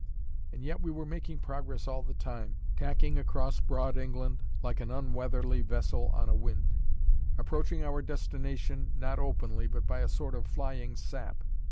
And yet we were making progress all the time, tacking across broad England like an unweatherly vessel on a wind; approaching our destination, not openly, but by a sort of flying sap.